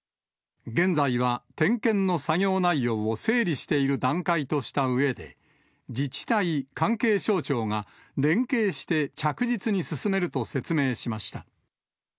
現在は点検の作業内容を整理している段階としたうえで、自治体、関係省庁が連携して着実に進めると説明しました。